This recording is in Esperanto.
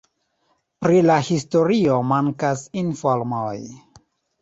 Pri la historio mankas informoj.